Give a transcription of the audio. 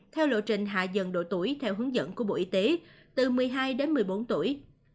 theo lộ trình hạ dần độ tuổi theo hướng dẫn của bộ y tế từ một mươi hai đến một mươi bốn tuổi